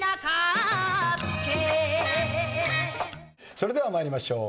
それでは参りましょう。